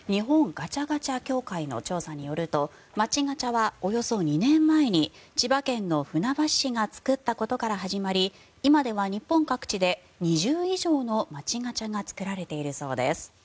ガチャガチャ協会の調査によると街ガチャはおよそ２年前に千葉県の船橋市が作ったことから始まり今では日本各地で２０以上の街ガチャが作られているそうです。